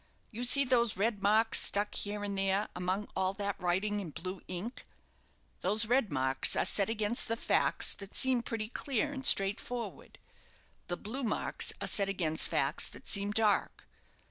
You see those red marks stuck here and there, among all that writing in blue ink. Those red marks are set against the facts that seem pretty clear and straightforward; the blue marks are set against facts that seem dark.